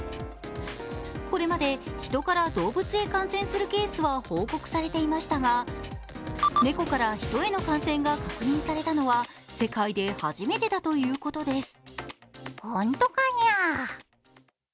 これまでヒトから動物へ感染するケースは報告されていましたが猫からヒトへの感染が報告されたのは世界で初めてだということです。